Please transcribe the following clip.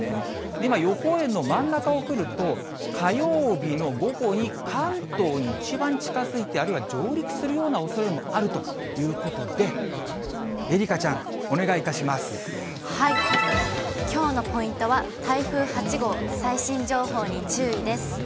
今、予報円の真ん中を来ると、火曜日の午後に関東に一番近づいて、あるいは上陸するようなおそれもあるということで、愛花ちゃん、きょうのポイントは、台風８号、最新情報に注意です。